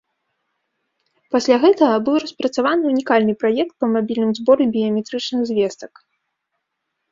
Пасля гэтага быў распрацаваны ўнікальны праект па мабільным зборы біяметрычных звестак.